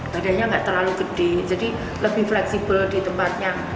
badannya tidak terlalu besar jadi lebih fleksibel di tempatnya